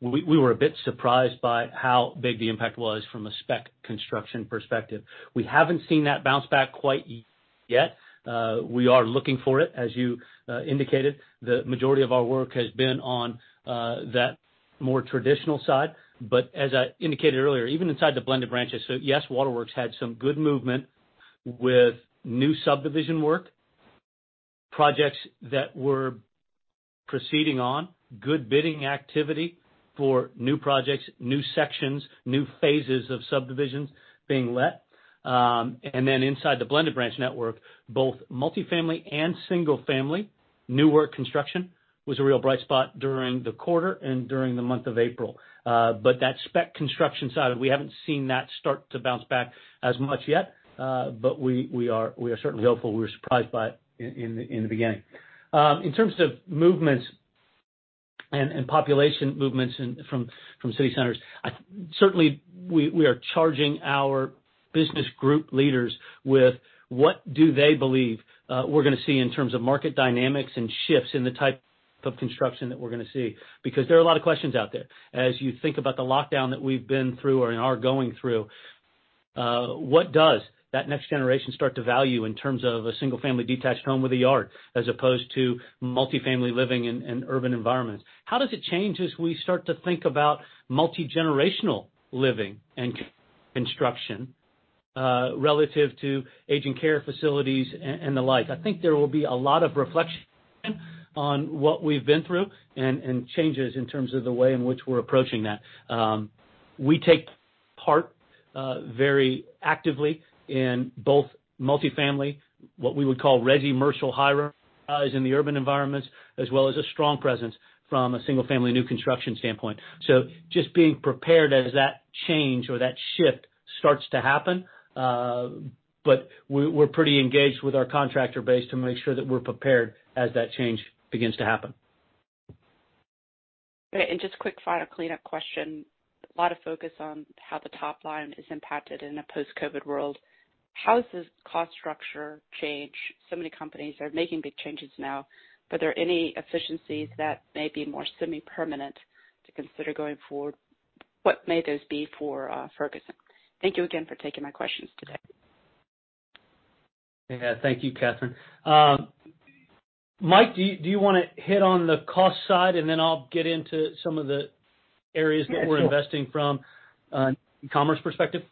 B: were a bit surprised by how big the impact was from a spec construction perspective. We haven't seen that bounce back quite yet. We are looking for it. As you indicated, the majority of our work has been on that more traditional side, but as I indicated earlier, even inside the blended branch. Yes, Waterworks had some good movement with new subdivision work, projects that were proceeding on, good bidding activity for new projects, new sections, new phases of subdivisions being let. Inside the blended branch network, both multifamily and single-family new work construction was a real bright spot during the quarter and during the month of April. That spec construction side, we haven't seen that start to bounce back as much yet. We are certainly hopeful. We were surprised by it in the beginning. In terms of movements and population movements from city centers, certainly, we are charging our business group leaders with what do they believe we're gonna see in terms of market dynamics and shifts in the type of construction that we're gonna see. Because there are a lot of questions out there. As you think about the lockdown that we've been through or are going through, what does that next generation start to value in terms of a single-family detached home with a yard as opposed to multifamily living in urban environments? How does it change as we start to think about multigenerational living and construction? Relative to aging care facilities and the like. I think there will be a lot of reflection on what we've been through and changes in terms of the way in which we're approaching that. We take part very actively in both multi-family, what we would call resi-commercial hybrid, is in the urban environments, as well as a strong presence from a single-family new construction standpoint. Just being prepared as that change or that shift starts to happen. We're pretty engaged with our contractor base to make sure that we're prepared as that change begins to happen.
G: Okay, just quick final cleanup question. A lot of focus on how the top line is impacted in a post-COVID world. How does cost structure change? Many companies are making big changes now. Are there any efficiencies that may be more semi-permanent to consider going forward? What may those be for Ferguson? Thank you again for taking my questions today.
B: Yeah. Thank you, Kathryn. Mike, do you want to hit on the cost side, and then I'll get into some of the areas that we're investing from an e-commerce perspective?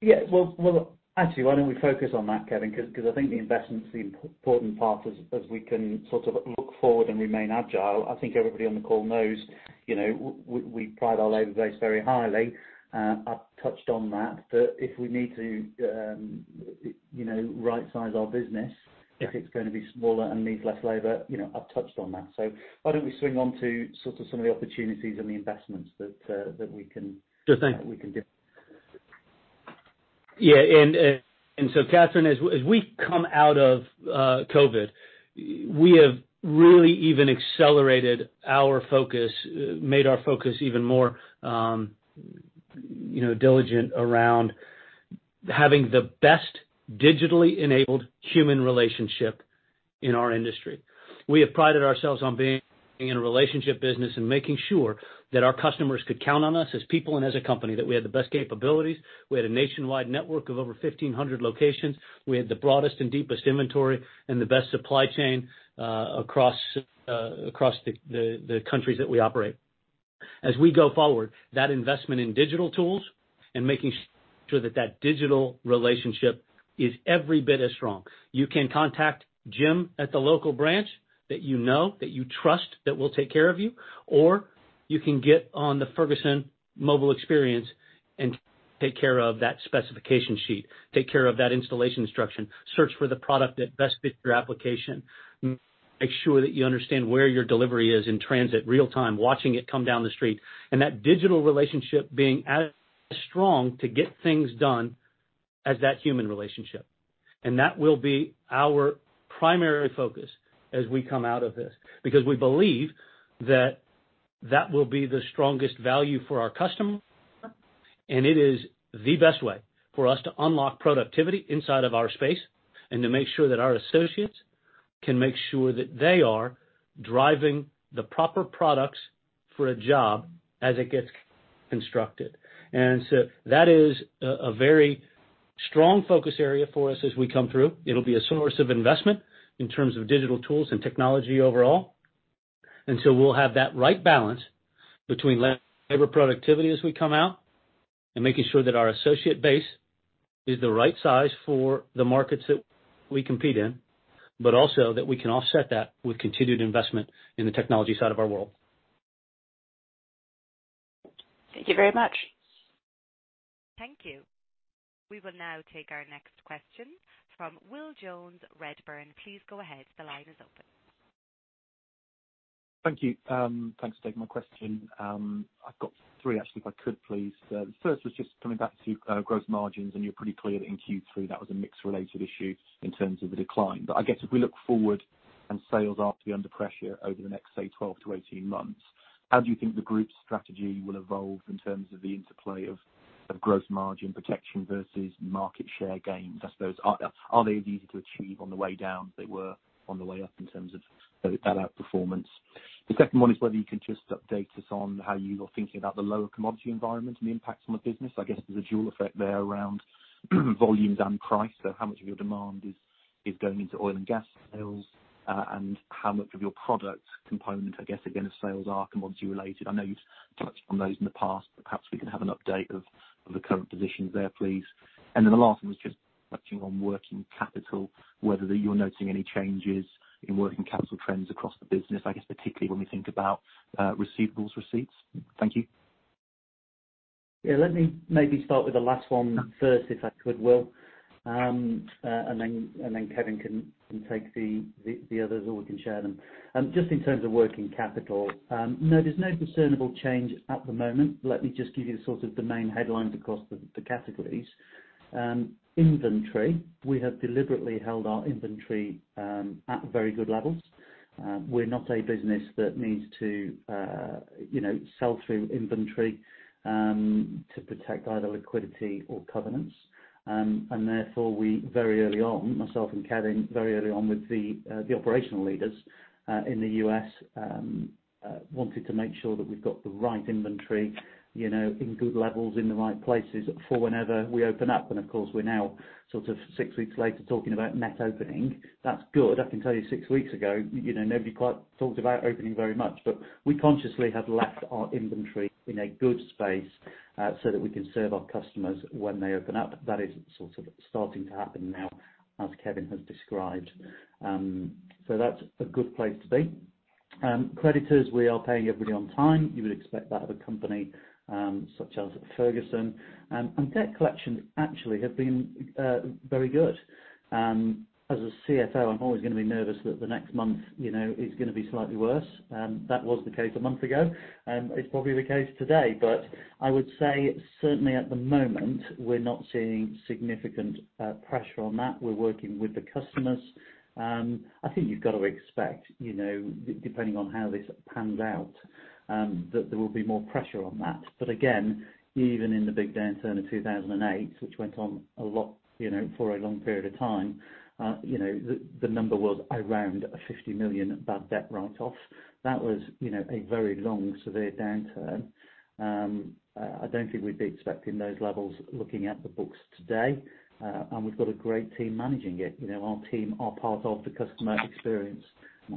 C: Yeah. Well, actually, why don't we focus on that, Kevin, because I think the investments, the important part as we can sort of look forward and remain agile. I think everybody on the call knows, we pride our labor base very highly. I've touched on that. If we need to right-size our business if it's going to be smaller and need less labor, I've touched on that. why don't we swing on to sort of some of the opportunities and the investments that we can–
B: Sure thing.
C: –that we can give.
B: Yeah. Kathryn, as we come out of COVID, we have really even accelerated our focus, made our focus even more diligent around having the best digitally enabled human relationship in our industry. We have prided ourselves on being in a relationship business and making sure that our customers could count on us as people and as a company, that we had the best capabilities, we had a nationwide network of over 1,500 locations, we had the broadest and deepest inventory and the best supply chain across the countries that we operate. As we go forward, that investment in digital tools and making sure that that digital relationship is every bit as strong. You can contact Jim at the local branch that you know, that you trust, that will take care of you. Or you can get on the Ferguson mobile experience and take care of that specification sheet, take care of that installation instruction, search for the product that best fits your application, make sure that you understand where your delivery is in transit, real-time, watching it come down the street, and that digital relationship being as strong to get things done as that human relationship. That will be our primary focus as we come out of this. Because we believe that that will be the strongest value for our customer, and it is the best way for us to unlock productivity inside of our space and to make sure that our associates can make sure that they are driving the proper products for a job as it gets constructed. That is a very strong focus area for us as we come through. It'll be a source of investment in terms of digital tools and technology overall. We'll have that right balance between labor productivity as we come out and making sure that our associate base is the right size for the markets that we compete in, but also that we can offset that with continued investment in the technology side of our world.
G: Thank you very much.
A: Thank you. We will now take our next question from Will Jones, Redburn. Please go ahead. The line is open.
H: Thank you. Thanks for taking my question. I've got three, actually, if I could, please. The first was just coming back to gross margins, and you're pretty clear that in Q3, that was a mix-related issue in terms of the decline. I guess if we look forward and sales are to be under pressure over the next, say, 12-18 months, how do you think the group's strategy will evolve in terms of the interplay of gross margin protection versus market share gains? I suppose, are they as easy to achieve on the way down as they were on the way up in terms of that outperformance? The second one is whether you can just update us on how you are thinking about the lower commodity environment and the impacts on the business. I guess there's a dual effect there around volumes and price, how much of your demand is going into oil and gas sales, and how much of your product component, I guess, again, of sales are commodity-related? I know you've touched on those in the past, but perhaps we can have an update of the current positions there, please. Then the last one was just touching on working capital, whether you're noticing any changes in working capital trends across the business, I guess particularly when we think about receivables receipts. Thank you.
C: Yeah, let me maybe start with the last one first, if I could, Will. Then Kevin can take the others, or we can share them. Just in terms of working capital. No, there's no discernible change at the moment. Let me just give you the sort of the main headlines across the categories. Inventory. We have deliberately held our inventory at very good levels. We're not a business that needs to sell through inventory to protect either liquidity or covenants. Therefore, we very early on, myself and Kevin, with the operational leaders in the U.S., wanted to make sure that we've got the right inventory in good levels, in the right places for whenever we open up. Of course, we're now sort of six weeks later, talking about net opening. That's good. I can tell you six weeks ago, nobody quite talked about opening very much. We consciously have left our inventory in a good space so that we can serve our customers when they open up. That is sort of starting to happen now, as Kevin has described. That's a good place to be. Creditors, we are paying everybody on time. You would expect that of a company such as Ferguson. Debt collection actually have been very good. As a CFO, I'm always going to be nervous that the next month is going to be slightly worse. That was the case a month ago, and it's probably the case today. I would say certainly at the moment, we're not seeing significant pressure on that. We're working with the customers. I think you've got to expect, depending on how this pans out, that there will be more pressure on that. Again, even in the big downturn of 2008, which went on for a long period of time, the number was around $50 million bad debt write-offs. That was a very long, severe downturn. I don't think we'd be expecting those levels looking at the books today. We've got a great team managing it. Our team are part of the customer experience,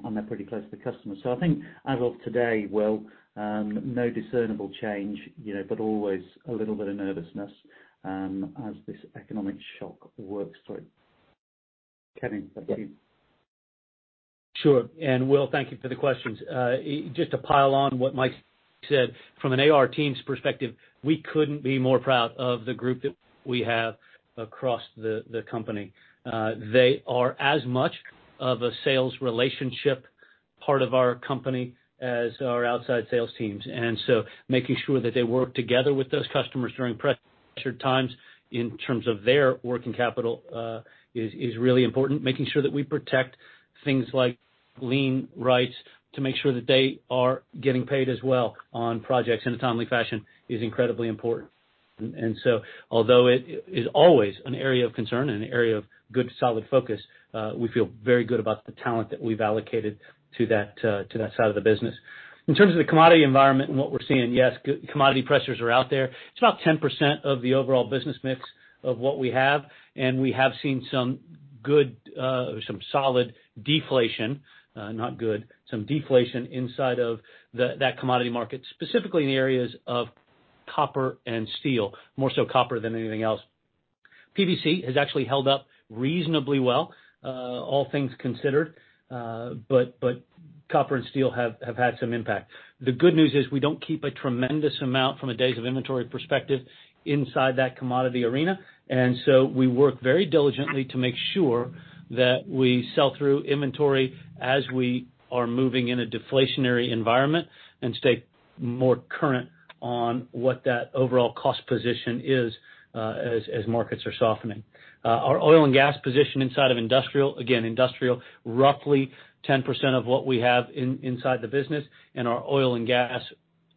C: and they're pretty close to the customer. I think as of today, Will, no discernible change, but always a little bit of nervousness as this economic shock works through. Kevin, back to you.
B: Sure. Will, thank you for the questions. Just to pile on what Mike said, from an AR team's perspective, we couldn't be more proud of the group that we have across the company. They are as much of a sales relationship part of our company as our outside sales teams. Making sure that they work together with those customers during pressured times in terms of their working capital is really important. Making sure that we protect things like lien rights to make sure that they are getting paid as well on projects in a timely fashion is incredibly important. Although it is always an area of concern and an area of good, solid focus, we feel very good about the talent that we've allocated to that side of the business. In terms of the commodity environment and what we're seeing, yes, commodity pressures are out there. It's about 10% of the overall business mix of what we have, and we have seen some solid deflation, not good, some deflation inside of that commodity market, specifically in the areas of copper and steel, more so copper than anything else. PVC has actually held up reasonably well, all things considered. Copper and steel have had some impact. The good news is we don't keep a tremendous amount from a days of inventory perspective inside that commodity arena. We work very diligently to make sure that we sell through inventory as we are moving in a deflationary environment and stay more current on what that overall cost position is as markets are softening. Our oil and gas position inside of industrial, again, industrial, roughly 10% of what we have inside the business and our oil and gas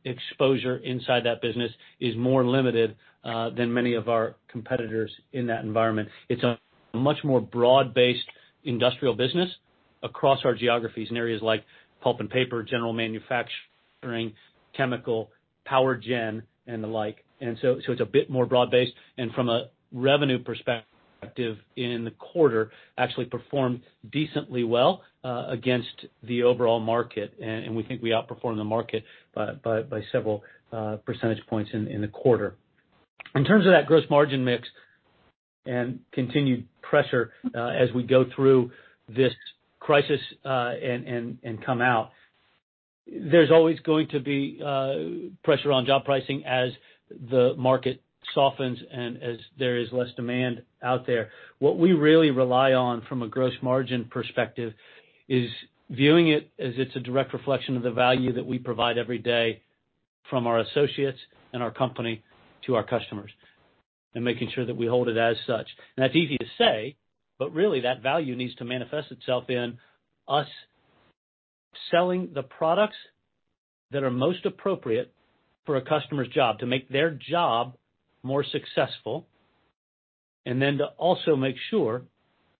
B: exposure inside that business is more limited than many of our competitors in that environment. It's a much more broad-based industrial business across our geographies in areas like pulp and paper, general manufacturing, chemical, power gen, and the like. It's a bit more broad-based, and from a revenue perspective in the quarter, actually performed decently well against the overall market. We think we outperformed the market by several percentage points in the quarter. In terms of that gross margin mix and continued pressure as we go through this crisis and come out, there's always going to be pressure on job pricing as the market softens and as there is less demand out there. What we really rely on from a gross margin perspective is viewing it as it's a direct reflection of the value that we provide every day from our associates and our company to our customers, and making sure that we hold it as such. That's easy to say, but really that value needs to manifest itself in us selling the products that are most appropriate for a customer's job to make their job more successful, and then to also make sure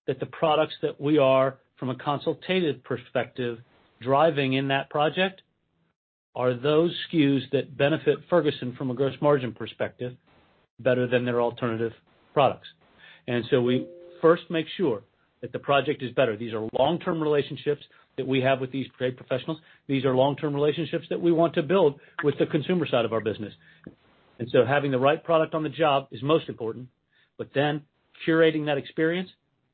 B: that the products that we are, from a consultative perspective, driving in that project are those SKUs that benefit Ferguson from a gross margin perspective better than their alternative products. But we first make sure that the project is better. These are long-term relationships that we have with these trade professionals. These are long-term relationships that we want to build with the consumer side of our business. And so having the right product on the job is most important, but then curating that experience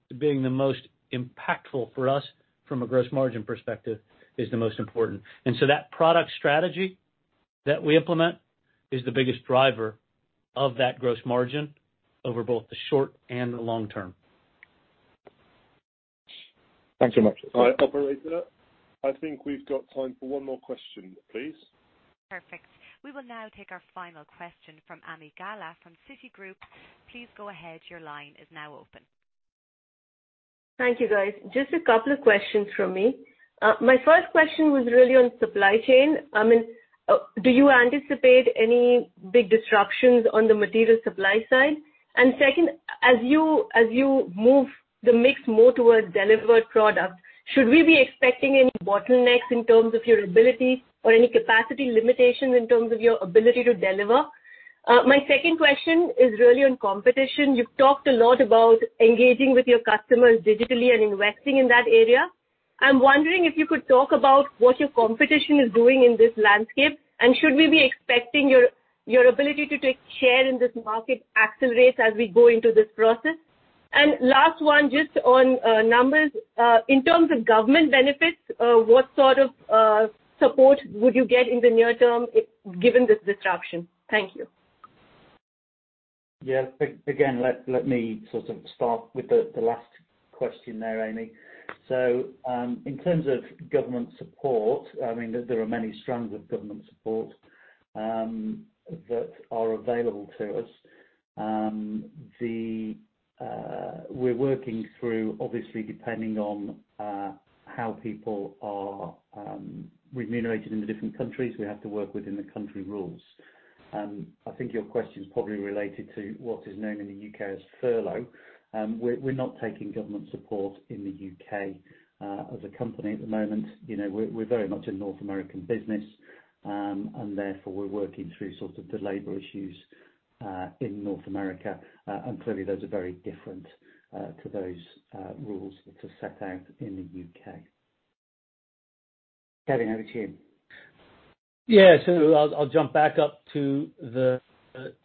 B: to being the most impactful for us from a gross margin perspective is the most important. So that product strategy that we implement is the biggest driver of that gross margin over both the short and the long term.
H: Thanks very much.
I: All right. Operator, I think we've got time for one more question, please.
A: Perfect. We will now take our final question from Ami Galla from Citigroup. Please go ahead. Your line is now open.
J: Thank you, guys. Just a couple of questions from me. My first question was really on supply chain. Do you anticipate any big disruptions on the material supply side? Second, as you move the mix more towards delivered product, should we be expecting any bottlenecks in terms of your ability or any capacity limitations in terms of your ability to deliver? My second question is really on competition. You've talked a lot about engaging with your customers digitally and investing in that area. I'm wondering if you could talk about what your competition is doing in this landscape, and should we be expecting your ability to take share in this market accelerate as we go into this process? Last one, just on numbers. In terms of government benefits, what sort of support would you get in the near term given this disruption? Thank you.
C: Yeah. Again, let me sort of start with the last question there, Ami. In terms of government support, there are many strands of government support that are available to us. We're working through, obviously, depending on how people are remunerated in the different countries, we have to work within the country rules. I think your question's probably related to what is known in the U.K. as furlough. We're not taking government support in the U.K. as a company at the moment. We're very much a North American business, and therefore, we're working through sorts of the labor issues, in North America. Clearly those are very different, to those rules that are set out in the U.K. Kevin, over to you.
B: Yeah. I'll jump back up to the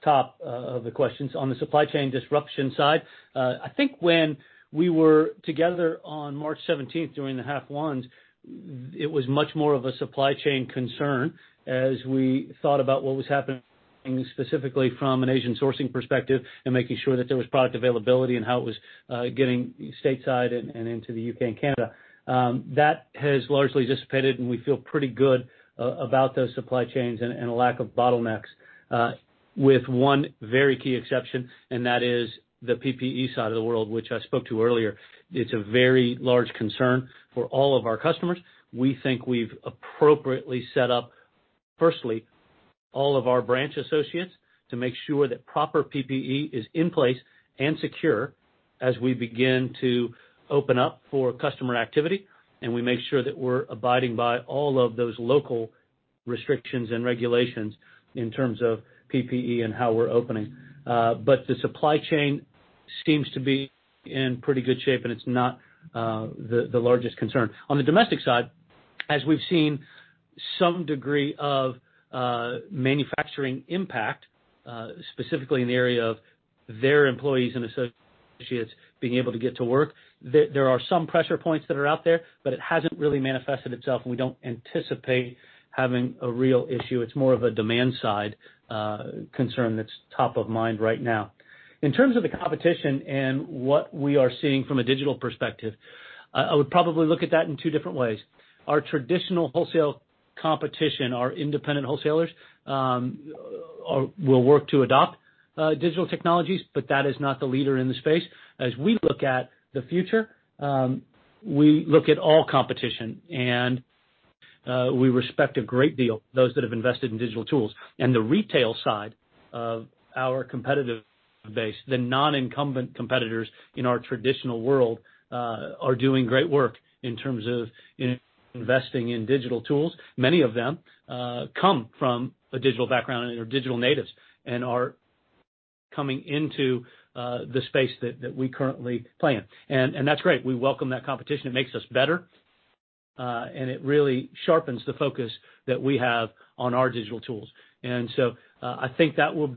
B: top of the questions. On the supply chain disruption side, I think when we were together on March 17th during the H1s, it was much more of a supply chain concern as we thought about what was happening specifically from an Asian sourcing perspective, and making sure that there was product availability and how it was getting stateside and into the U.K. and Canada. That has largely dissipated, and we feel pretty good about those supply chains and a lack of bottlenecks, with one very key exception, and that is the PPE side of the world, which I spoke to earlier. It's a very large concern for all of our customers. We think we've appropriately set up, firstly, all of our branch associates to make sure that proper PPE is in place and secure as we begin to open up for customer activity, and we make sure that we're abiding by all of those local restrictions and regulations in terms of PPE and how we're opening. The supply chain seems to be in pretty good shape, and it's not the largest concern. On the domestic side, as we've seen some degree of manufacturing impact, specifically in the area of their employees and associates being able to get to work, there are some pressure points that are out there, but it hasn't really manifested itself, and we don't anticipate having a real issue. It's more of a demand side concern that's top of mind right now. In terms of the competition and what we are seeing from a digital perspective, I would probably look at that in two different ways. Our traditional wholesale competition, our independent wholesalers, will work to adopt digital technologies, but that is not the leader in the space. As we look at the future, we look at all competition, and we respect a great deal those that have invested in digital tools. The retail side of our competitive base, the non-incumbent competitors in our traditional world, are doing great work in terms of investing in digital tools. Many of them come from a digital background and are digital natives, and are coming into the space that we currently play in. That's great. We welcome that competition. It makes us better, and it really sharpens the focus that we have on our digital tools. I think that will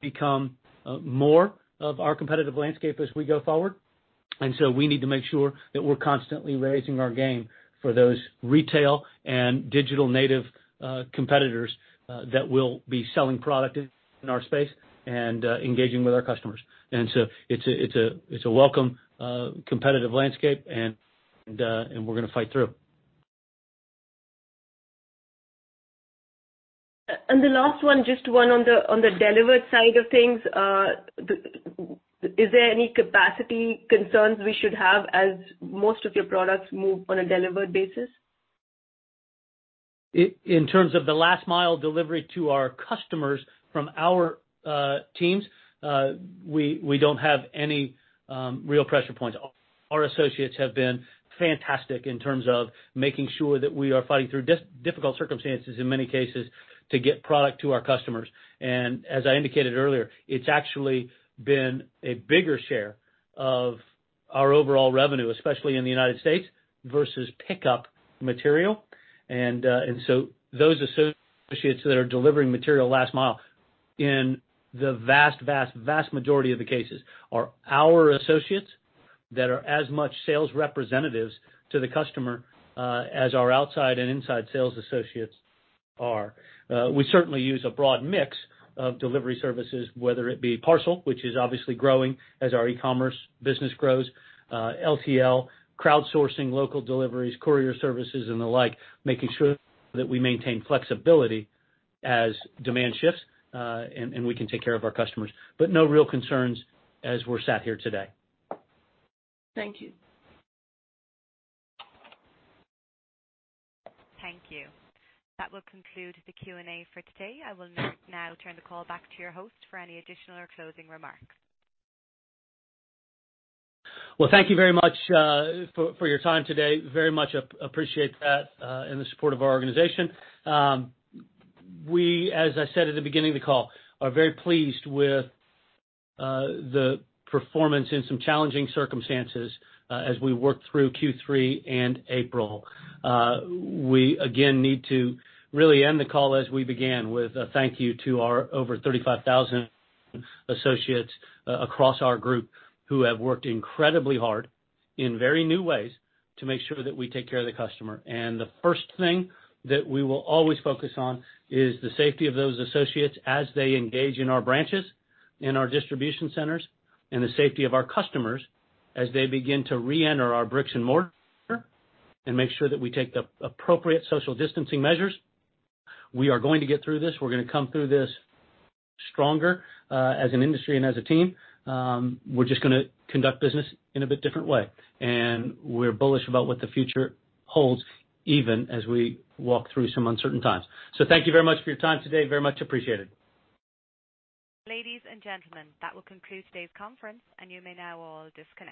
B: become more of our competitive landscape as we go forward. We need to make sure that we're constantly raising our game for those retail and digital native competitors that will be selling product in our space and engaging with our customers. It's a welcome competitive landscape and we're going to fight through.
J: The last one, just one on the delivered side of things. Is there any capacity concerns we should have as most of your products move on a delivered basis?
B: In terms of the last mile delivery to our customers from our teams, we don't have any real pressure points. Our associates have been fantastic in terms of making sure that we are fighting through difficult circumstances in many cases, to get product to our customers. As I indicated earlier, it's actually been a bigger share of our overall revenue, especially in the United States versus pickup material. Those associates that are delivering material last mile in the vast majority of the cases are our associates that are as much sales representatives to the customer, as our outside and inside sales associates are. We certainly use a broad mix of delivery services, whether it be parcel, which is obviously growing as our e-commerce business grows, LTL, crowdsourcing local deliveries, courier services, and the like, making sure that we maintain flexibility as demand shifts, and we can take care of our customers. But no real concerns as we're sat here today.
J: Thank you.
A: Thank you. That will conclude the Q&A for today. I will now turn the call back to your host for any additional or closing remarks.
B: Well, thank you very much for your time today. Very much appreciate that, and the support of our organization. We, as I said at the beginning of the call, are very pleased with the performance in some challenging circumstances as we work through Q3 and April. We again need to really end the call as we began with a thank you to our over 35,000 associates across our group who have worked incredibly hard in very new ways to make sure that we take care of the customer. The first thing that we will always focus on is the safety of those associates as they engage in our branches, in our distribution centers, and the safety of our customers as they begin to reenter our bricks and mortar and make sure that we take the appropriate social distancing measures. We are going to get through this. We're going to come through this stronger, as an industry and as a team. We're just going to conduct business in a bit different way. We're bullish about what the future holds, even as we walk through some uncertain times. Thank you very much for your time today. Very much appreciated.
A: Ladies and gentlemen, that will conclude today's conference, and you may now all disconnect.